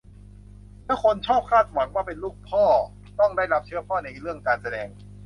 และคนชอบคาดหวังว่าเป็นลูกพ่อต้องได้เชื้อพ่อในเรื่องการแสดง